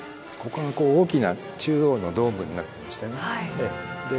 ここが大きな中央のドームになってましてねで